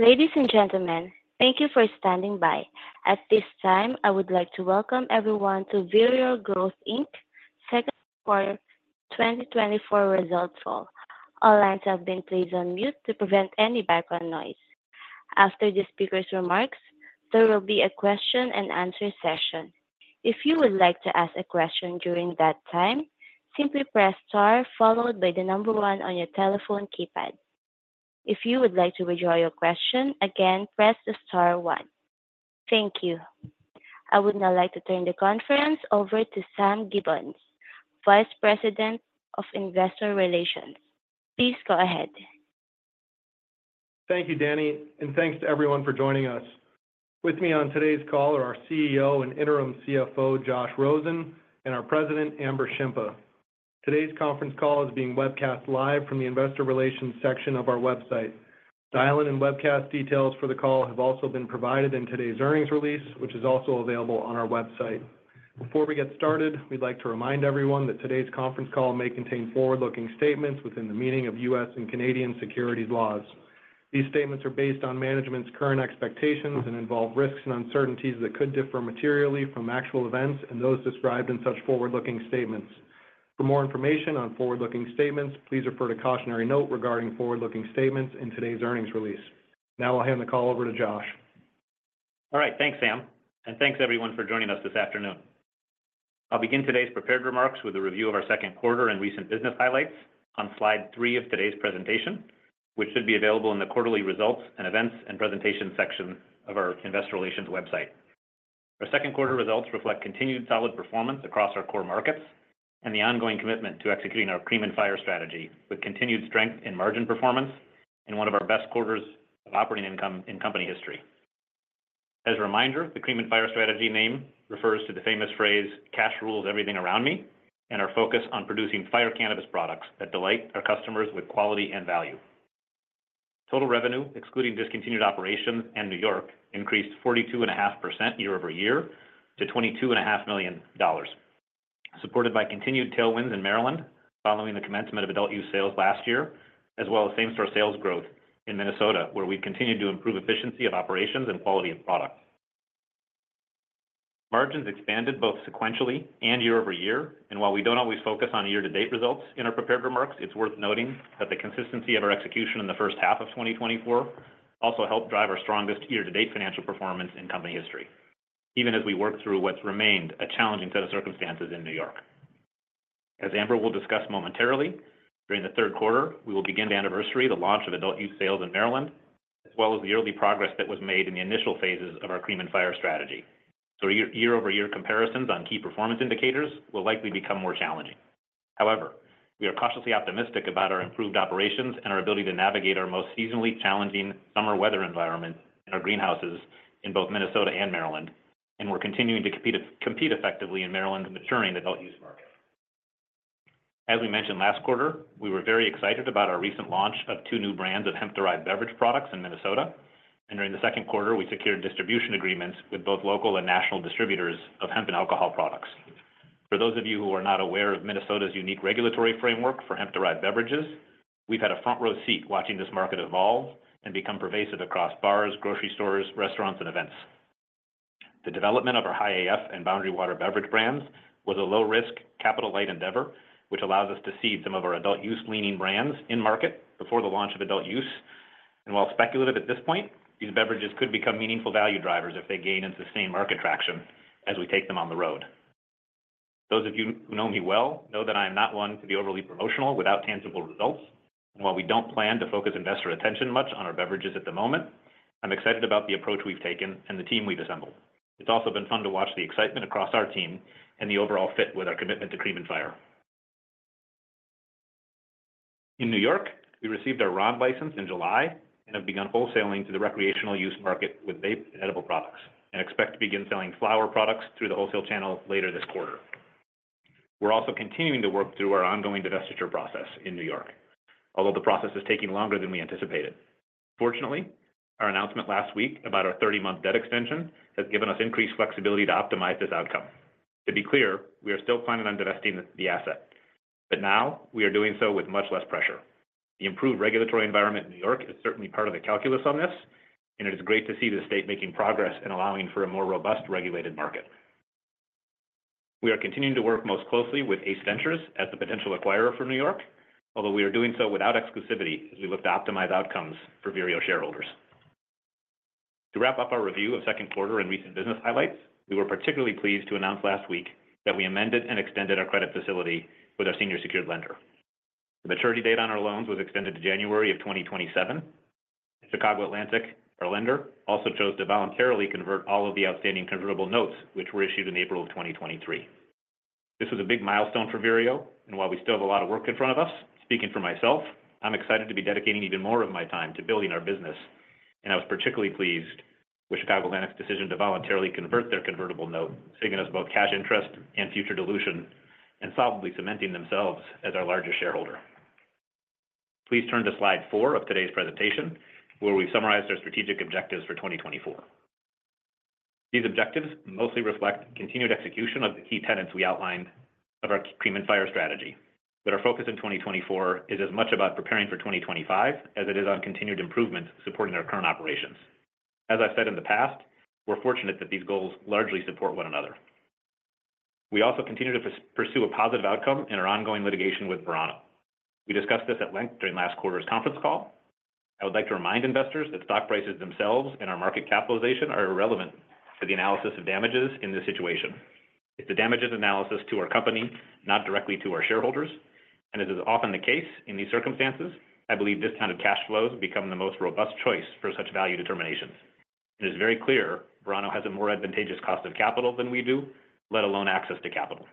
Ladies and gentlemen, thank you for standing by. At this time, I would like to welcome everyone to Vireo Growth Inc.'s Second Quarter 2024 Results Call. All lines have been placed on mute to prevent any background noise. After the speaker's remarks, there will be a question and answer session. If you would like to ask a question during that time, simply press star followed by the number one on your telephone keypad. If you would like to withdraw your question, again, press the star one. Thank you. I would now like to turn the conference over to Sam Gibbons, Vice President of Investor Relations. Please go ahead. Thank you, Danny, and thanks to everyone for joining us. With me on today's call are our CEO and Interim CFO, Josh Rosen, and our President, Amber Shimpa. Today's conference call is being webcast live from the Investor Relations section of our website. Dial-in and webcast details for the call have also been provided in today's earnings release, which is also available on our website. Before we get started, we'd like to remind everyone that today's conference call may contain forward-looking statements within the meaning of U.S. and Canadian securities laws. These statements are based on management's current expectations and involve risks and uncertainties that could differ materially from actual events and those described in such forward-looking statements. For more information on forward-looking statements, please refer to cautionary note regarding forward-looking statements in today's earnings release. Now I'll hand the call over to Josh. All right. Thanks, Sam, and thanks everyone for joining us this afternoon. I'll begin today's prepared remarks with a review of our second quarter and recent business highlights on Slide 3 of today's presentation, which should be available in the quarterly results and events and presentation section of our investor relations website. Our second quarter results reflect continued solid performance across our core markets and the ongoing commitment to executing our Cream and Fire strategy, with continued strength in margin performance and one of our best quarters of operating income in company history. As a reminder, the Cream and Fire strategy name refers to the famous phrase, "Cash rules everything around me," and our focus on producing fire cannabis products that delight our customers with quality and value. Total revenue, excluding discontinued operations in New York, increased 42.5% year-over-year to $22.5 million, supported by continued tailwinds in Maryland following the commencement of adult-use sales last year, as well as same-store sales growth in Minnesota, where we continued to improve efficiency of operations and quality of product. Margins expanded both sequentially and year-over-year, and while we don't always focus on year-to-date results in our prepared remarks, it's worth noting that the consistency of our execution in the first half of 2024 also helped drive our strongest year-to-date financial performance in company history, even as we worked through what's remained a challenging set of circumstances in New York. As Amber will discuss momentarily, during the third quarter, we will begin the anniversary of the launch of adult-use sales in Maryland, as well as the yearly progress that was made in the initial phases of our Cream and Fire strategy. So year-over-year comparisons on key performance indicators will likely become more challenging. However, we are cautiously optimistic about our improved operations and our ability to navigate our most seasonally challenging summer weather environment in our greenhouses in both Minnesota and Maryland, and we're continuing to compete, compete effectively in Maryland's maturing adult-use market. As we mentioned last quarter, we were very excited about our recent launch of two new brands of hemp-derived beverage products in Minnesota, and during the second quarter, we secured distribution agreements with both local and national distributors of hemp and alcohol products. For those of you who are not aware of Minnesota's unique regulatory framework for hemp-derived beverages, we've had a front row seat watching this market evolve and become pervasive across bars, grocery stores, restaurants, and events. The development of our Hi-AF and Boundary Waters beverage brands was a low risk, capital-light endeavor, which allows us to see some of our adult-use cannabis brands in market before the launch of adult-use. While speculative at this point, these beverages could become meaningful value drivers if they gain and sustain market traction as we take them on the road. Those of you who know me well know that I am not one to be overly promotional without tangible results. While we don't plan to focus investor attention much on our beverages at the moment, I'm excited about the approach we've taken and the team we've assembled. It's also been fun to watch the excitement across our team and the overall fit with our commitment to Cream and Fire. In New York, we received our RO license in July and have begun wholesaling to the recreational use market with vape and edible products, and expect to begin selling flower products through the wholesale channel later this quarter. We're also continuing to work through our ongoing divestiture process in New York, although the process is taking longer than we anticipated. Fortunately, our announcement last week about our 30-month debt extension has given us increased flexibility to optimize this outcome. To be clear, we are still planning on divesting the asset, but now we are doing so with much less pressure. The improved regulatory environment in New York is certainly part of the calculus on this, and it is great to see the state making progress and allowing for a more robust, regulated market. We are continuing to work most closely with Ace Ventures as the potential acquirer for New York, although we are doing so without exclusivity as we look to optimize outcomes for Vireo shareholders. To wrap up our review of second quarter and recent business highlights, we were particularly pleased to announce last week that we amended and extended our credit facility with our senior secured lender. The maturity date on our loans was extended to January 2027. Chicago Atlantic, our lender, also chose to voluntarily convert all of the outstanding convertible notes, which were issued in April 2023. This was a big milestone for Vireo, and while we still have a lot of work in front of us, speaking for myself, I'm excited to be dedicating even more of my time to building our business, and I was particularly pleased with Chicago Atlantic's decision to voluntarily convert their convertible note, saving us both cash interest and future dilution, and solidly cementing themselves as our largest shareholder. Please turn to Slide 4 of today's presentation, where we've summarized our strategic objectives for 2024. These objectives mostly reflect continued execution of the key tenets we outlined of our Cream and Fire strategy, that our focus in 2024 is as much about preparing for 2025 as it is on continued improvement, supporting our current operations. As I said in the past, we're fortunate that these goals largely support one another. We also continue to pursue a positive outcome in our ongoing litigation with Verano. We discussed this at length during last quarter's conference call. I would like to remind investors that stock prices themselves and our market capitalization are irrelevant to the analysis of damages in this situation. It's a damages analysis to our company, not directly to our shareholders, and this is often the case in these circumstances. I believe this kind of cash flows become the most robust choice for such value determinations. It is very clear Verano has a more advantageous cost of capital than we do, let alone access to capital.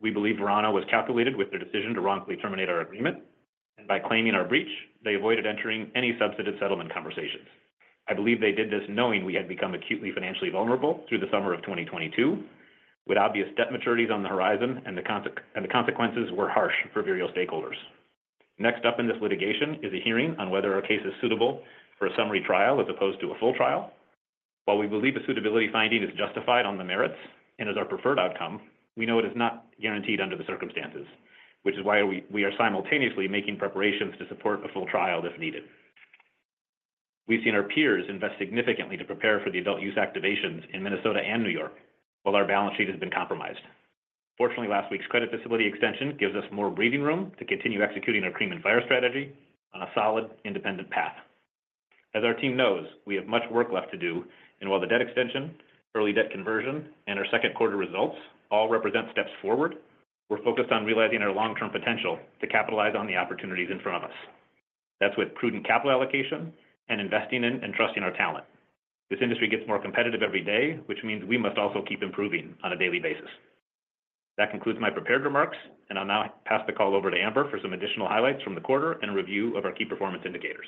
We believe Verano was calculated with their decision to wrongfully terminate our agreement, and by claiming our breach, they avoided entering any substantive settlement conversations. I believe they did this knowing we had become acutely financially vulnerable through the summer of 2022, with obvious debt maturities on the horizon, and the consequences were harsh for Vireo stakeholders. Next up in this litigation is a hearing on whether our case is suitable for a summary trial as opposed to a full trial. While we believe the suitability finding is justified on the merits and is our preferred outcome, we know it is not guaranteed under the circumstances, which is why we are simultaneously making preparations to support a full trial if needed. We've seen our peers invest significantly to prepare for the adult use activations in Minnesota and New York, while our balance sheet has been compromised. Fortunately, last week's credit facility extension gives us more breathing room to continue executing our Cream and Fire strategy on a solid, independent path. As our team knows, we have much work left to do, and while the debt extension, early debt conversion, and our second quarter results all represent steps forward, we're focused on realizing our long-term potential to capitalize on the opportunities in front of us. That's with prudent capital allocation and investing in and trusting our talent. This industry gets more competitive every day, which means we must also keep improving on a daily basis. That concludes my prepared remarks, and I'll now pass the call over to Amber for some additional highlights from the quarter and a review of our key performance indicators.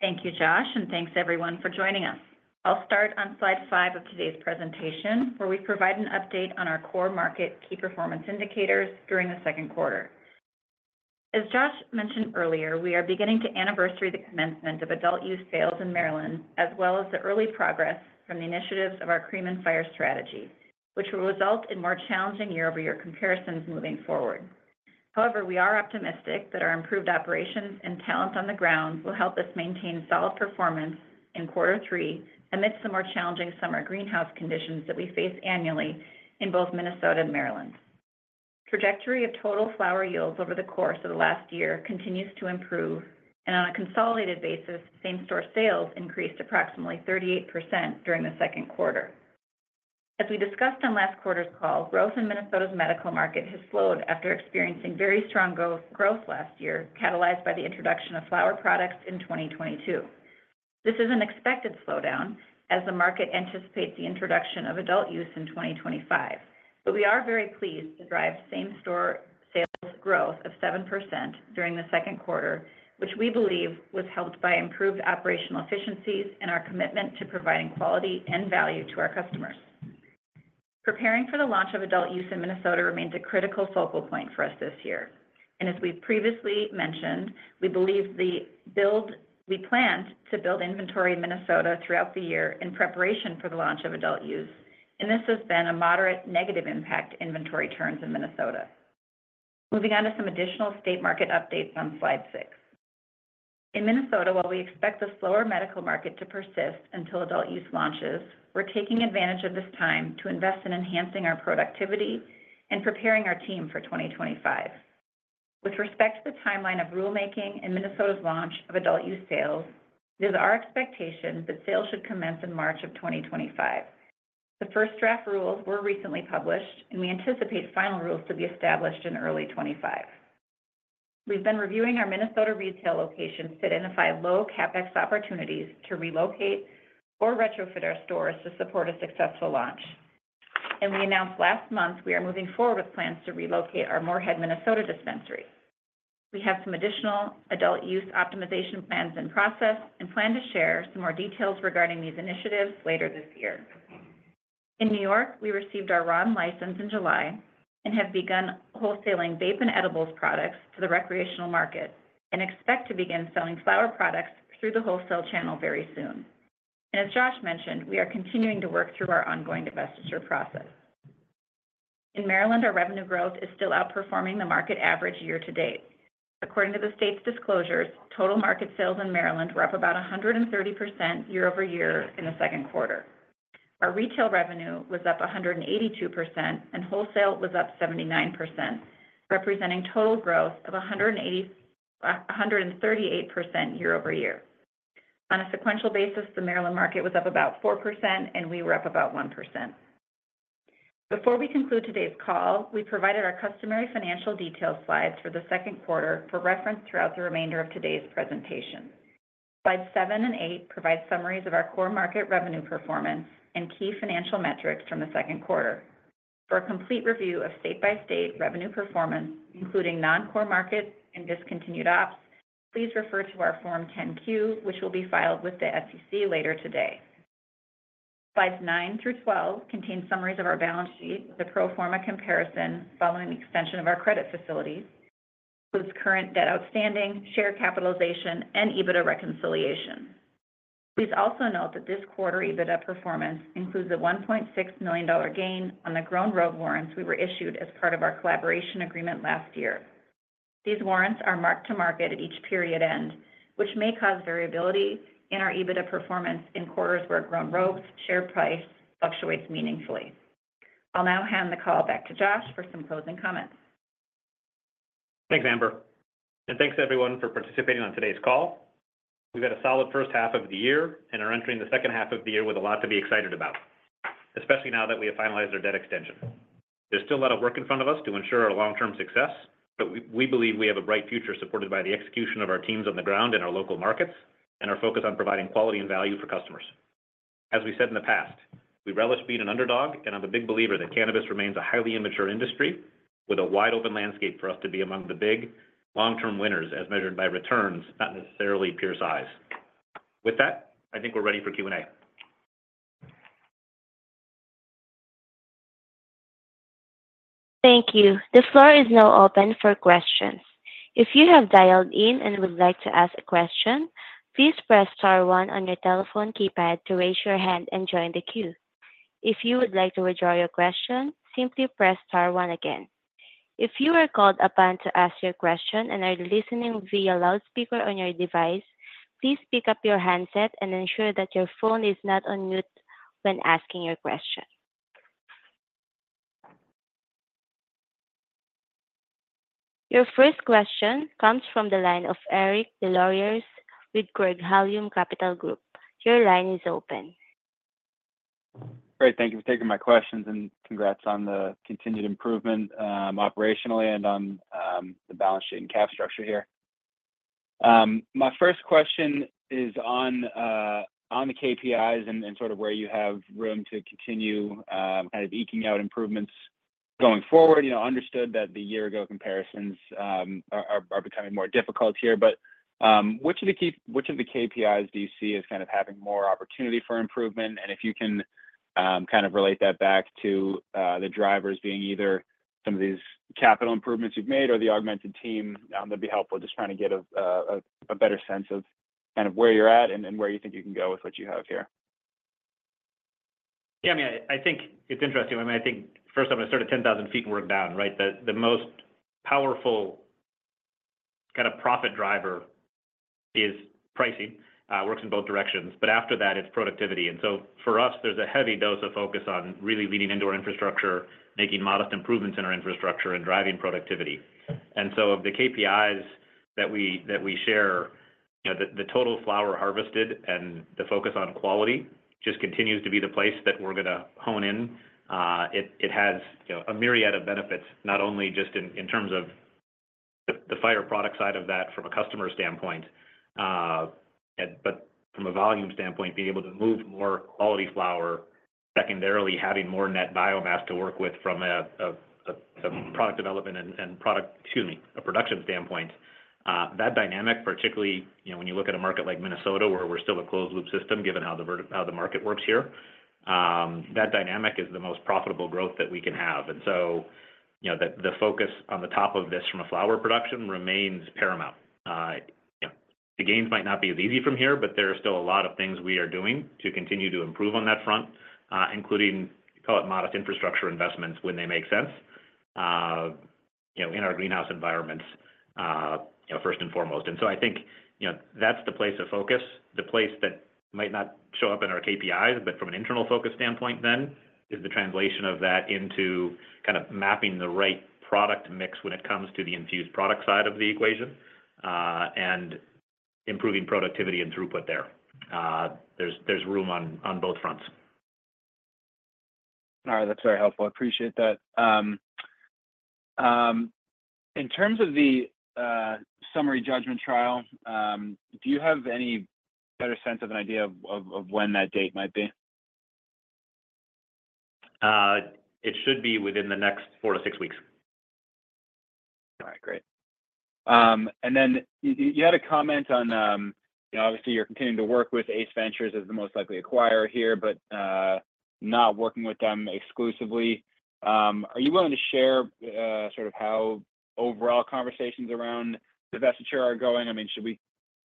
Thank you, Josh, and thanks everyone for joining us. I'll start on Slide 5 of today's presentation, where we provide an update on our core market key performance indicators during the second quarter. As Josh mentioned earlier, we are beginning to anniversary the commencement of adult use sales in Maryland, as well as the early progress from the initiatives of our Cream and Fire strategy, which will result in more challenging year-over-year comparisons moving forward. However, we are optimistic that our improved operations and talent on the ground will help us maintain solid performance in quarter three, amidst the more challenging summer greenhouse conditions that we face annually in both Minnesota and Maryland. Trajectory of total flower yields over the course of the last year continues to improve, and on a consolidated basis, same-store sales increased approximately 38% during the second quarter. As we discussed on last quarter's call, growth in Minnesota's medical market has slowed after experiencing very strong growth, growth last year, catalyzed by the introduction of flower products in 2022. This is an expected slowdown as the market anticipates the introduction of adult use in 2025. But we are very pleased to drive same-store sales growth of 7% during the second quarter, which we believe was helped by improved operational efficiencies and our commitment to providing quality and value to our customers. Preparing for the launch of adult use in Minnesota remains a critical focal point for us this year, and as we've previously mentioned, we believe we plan to build inventory in Minnesota throughout the year in preparation for the launch of adult use, and this has been a moderate negative impact inventory turns in Minnesota. Moving on to some additional state market updates on Slide 6. In Minnesota, while we expect the slower medical market to persist until adult use launches, we're taking advantage of this time to invest in enhancing our productivity and preparing our team for 2025. With respect to the timeline of rulemaking and Minnesota's launch of adult use sales, it is our expectation that sales should commence in March of 2025. The first draft rules were recently published, and we anticipate final rules to be established in early 2025. We've been reviewing our Minnesota retail locations to identify low CapEx opportunities to relocate or retrofit our stores to support a successful launch. We announced last month we are moving forward with plans to relocate our Moorhead, Minnesota dispensary. We have some additional adult-use optimization plans in process and plan to share some more details regarding these initiatives later this year. In New York, we received our RO license in July and have begun wholesaling vape and edibles products to the recreational market and expect to begin selling flower products through the wholesale channel very soon. As Josh mentioned, we are continuing to work through our ongoing divestiture process. In Maryland, our revenue growth is still outperforming the market average year to date. According to the state's disclosures, total market sales in Maryland were up about 130% year-over-year in the second quarter. Our retail revenue was up 182%, and wholesale was up 79%, representing total growth of 138% year-over-year. On a sequential basis, the Maryland market was up about 4%, and we were up about 1%. Before we conclude today's call, we provided our customary financial detail slides for the second quarter for reference throughout the remainder of today's presentation. Slides 7 and 8 provide summaries of our core market revenue performance and key financial metrics from the second quarter. For a complete review of state-by-state revenue performance, including non-core markets and discontinued ops, please refer to our Form 10-Q, which will be filed with the SEC later today. Slides 9 through 12 contain summaries of our balance sheet with a pro forma comparison following the extension of our credit facilities.... includes current debt outstanding, share capitalization, and EBITDA reconciliation. Please also note that this quarter EBITDA performance includes a $1.6 million gain on the Grown Rogue warrants we were issued as part of our collaboration agreement last year. These warrants are marked to market at each period end, which may cause variability in our EBITDA performance in quarters where Grown Rogue's share price fluctuates meaningfully. I'll now hand the call back to Josh for some closing comments. Thanks, Amber, and thanks everyone for participating on today's call. We've had a solid first half of the year and are entering the second half of the year with a lot to be excited about, especially now that we have finalized our debt extension. There's still a lot of work in front of us to ensure our long-term success, but we believe we have a bright future supported by the execution of our teams on the ground in our local markets, and our focus on providing quality and value for customers. As we said in the past, we relish being an underdog, and I'm a big believer that cannabis remains a highly immature industry with a wide-open landscape for us to be among the big, long-term winners, as measured by returns, not necessarily peer size. With that, I think we're ready for Q&A. Thank you. The floor is now open for questions. If you have dialed in and would like to ask a question, please press star one on your telephone keypad to raise your hand and join the queue. If you would like to withdraw your question, simply press star one again. If you are called upon to ask your question and are listening via loudspeaker on your device, please pick up your handset and ensure that your phone is not on mute when asking your question. Your first question comes from the line of Eric Deslauriers with Craig-Hallum Capital Group. Your line is open. Great. Thank you for taking my questions, and congrats on the continued improvement operationally and on the balance sheet and cap structure here. My first question is on the KPIs and sort of where you have room to continue kind of eking out improvements going forward. You know, understood that the year-ago comparisons are becoming more difficult here, but which of the KPIs do you see as kind of having more opportunity for improvement? And if you can kind of relate that back to the drivers being either some of these capital improvements you've made or the augmented team, that'd be helpful. Just trying to get a better sense of kind of where you're at and where you think you can go with what you have here. Yeah, I mean, I think it's interesting. I mean, I think first I'm going to start at 10,000 feet and work down, right? The most powerful kind of profit driver is pricing, works in both directions, but after that, it's productivity. And so for us, there's a heavy dose of focus on really leaning into our infrastructure, making modest improvements in our infrastructure, and driving productivity. And so of the KPIs that we share, you know, the total flower harvested and the focus on quality just continues to be the place that we're going to hone in. It has, you know, a myriad of benefits, not only just in terms of the final product side of that from a customer standpoint, but from a volume standpoint, being able to move more quality flower, secondarily, having more net biomass to work with from product development and production standpoint. That dynamic, particularly, you know, when you look at a market like Minnesota, where we're still a closed-loop system, given how the market works here, that dynamic is the most profitable growth that we can have. And so, you know, the focus on the top of this from a flower production remains paramount. You know, the gains might not be as easy from here, but there are still a lot of things we are doing to continue to improve on that front, including, call it modest infrastructure investments when they make sense, in our greenhouse environments, first and foremost. And so I think, you know, that's the place of focus. The place that might not show up in our KPIs, but from an internal focus standpoint then, is the translation of that into kind of mapping the right product mix when it comes to the infused product side of the equation, and improving productivity and throughput there. There's room on both fronts. All right. That's very helpful. I appreciate that. In terms of the summary judgment trial, do you have any better sense of an idea of when that date might be? It should be within the next 4-6 weeks. All right, great. And then you had a comment on, you know, obviously, you're continuing to work with Ace Ventures as the most likely acquirer here, but not working with them exclusively. Are you willing to share sort of how overall conversations around divestiture are going? I mean, should we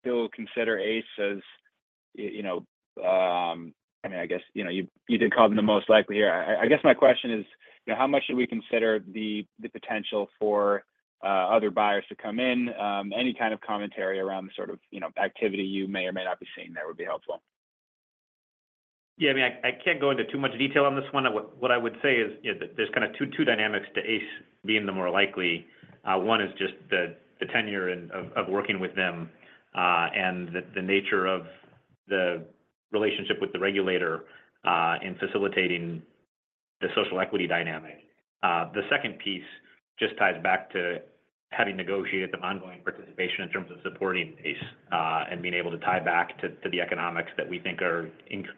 still consider Ace as, you know - I mean, I guess, you know, you did call them the most likely here. I guess my question is, you know, how much should we consider the potential for other buyers to come in? Any kind of commentary around the sort of, you know, activity you may or may not be seeing there would be helpful. Yeah, I mean, I can't go into too much detail on this one. What I would say is, you know, there's kind of two dynamics to ACE being the more likely. One is just the tenure and of working with them, and the nature of the relationship with the regulator in facilitating the social equity dynamic. The second piece just ties back to having negotiated some ongoing participation in terms of supporting ACE, and being able to tie back to the economics that we think are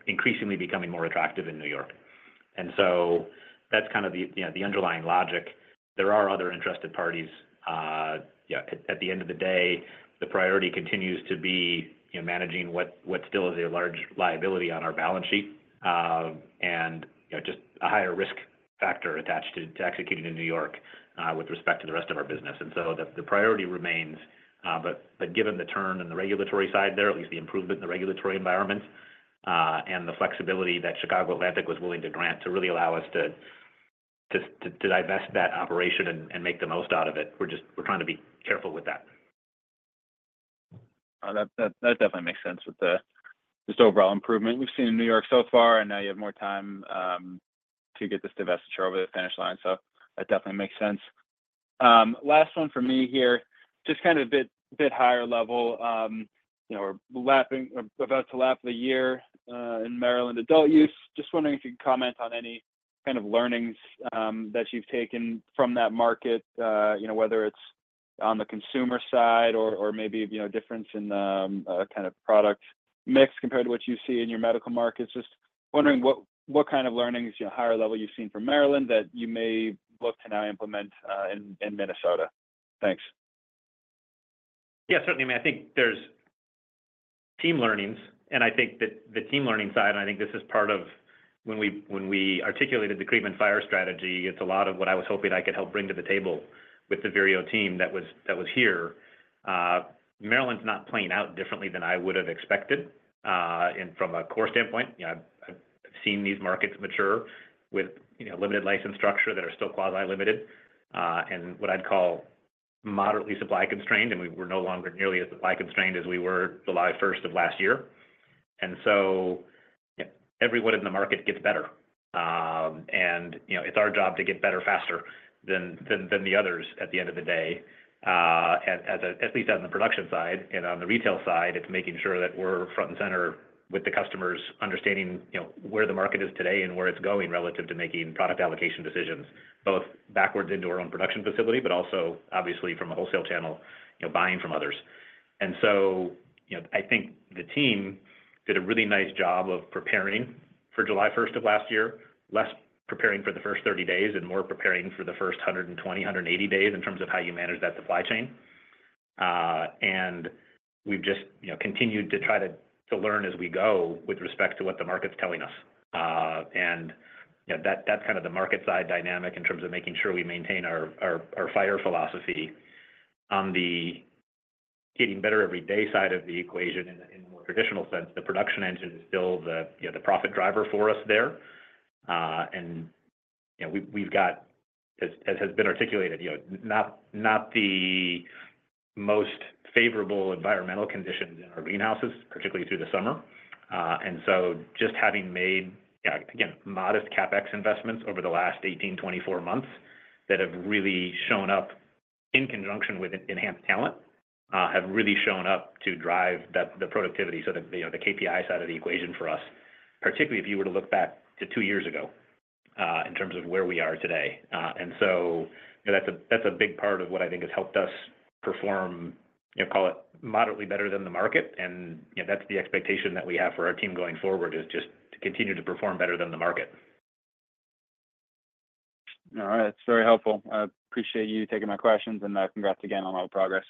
increasingly becoming more attractive in New York. And so that's kind of the, you know, the underlying logic. There are other interested parties. Yeah, at the end of the day, the priority continues to be, you know, managing what still is a large liability on our balance sheet, and, you know, just a higher risk factor attached to executing in New York, with respect to the rest of our business. And so the priority remains, but given the turn in the regulatory side there, at least the improvement in the regulatory environment, and the flexibility that Chicago Atlantic was willing to grant to really allow us to divest that operation and make the most out of it, we're trying to be careful with that. That definitely makes sense with the just overall improvement we've seen in New York so far, and now you have more time to get this divestiture over the finish line. So that definitely makes sense. Last one for me here. Just kind of a bit higher level, you know, we're about to lap the year in Maryland adult use. Just wondering if you can comment on any kind of learnings that you've taken from that market, you know, whether it's on the consumer side or maybe, you know, difference in the kind of product mix compared to what you see in your medical markets. Just wondering what kind of learnings, you know, higher level you've seen from Maryland that you may look to now implement in Minnesota? Thanks. Yeah, certainly. I mean, I think there's team learnings, and I think that the team learning side, and I think this is part of when we articulated the Cream and Fire strategy, it's a lot of what I was hoping I could help bring to the table with the Vireo team that was here. Maryland's not playing out differently than I would have expected, and from a core standpoint, you know, I've seen these markets mature with, you know, limited license structure that are still quasi-limited, and what I'd call moderately supply constrained, and we're no longer nearly as supply constrained as we were July first of last year. And so everyone in the market gets better. And, you know, it's our job to get better faster than the others at the end of the day, at least on the production side and on the retail side, it's making sure that we're front and center with the customers, understanding, you know, where the market is today and where it's going relative to making product allocation decisions, both backwards into our own production facility, but also obviously from a wholesale channel, you know, buying from others. So, you know, I think the team did a really nice job of preparing for July first of last year, less preparing for the first 30 days and more preparing for the first 120, 180 days in terms of how you manage that supply chain. And we've just, you know, continued to try to learn as we go with respect to what the market's telling us. And, you know, that's kind of the market side dynamic in terms of making sure we maintain our fire philosophy. On the getting better every day side of the equation in a more traditional sense, the production engine is still the, you know, the profit driver for us there. And, you know, we've got, as has been articulated, you know, not the most favorable environmental conditions in our greenhouses, particularly through the summer. And so just having made, again, modest CapEx investments over the last 18, 24 months that have really shown up in conjunction with enhanced talent have really shown up to drive the productivity. So the, you know, the KPI side of the equation for us, particularly if you were to look back to two years ago, in terms of where we are today. And so, you know, that's a, that's a big part of what I think has helped us perform, you know, call it moderately better than the market. And, you know, that's the expectation that we have for our team going forward, is just to continue to perform better than the market. All right. That's very helpful. I appreciate you taking my questions, and congrats again on all the progress.